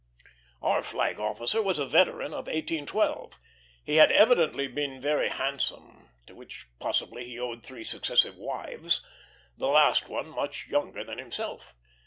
Our flag officer was a veteran of 1812. He had evidently been very handsome, to which possibly he owed three successive wives, the last one much younger than himself.